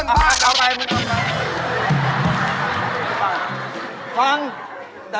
ตรงหลับด้วยอ่ะจะ